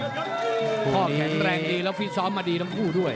ข้อแข็งแรงดีแล้วฟิศสอปมาดีทั้งผู้ด้วย